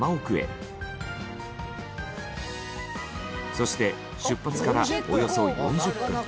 そして出発からおよそ４０分。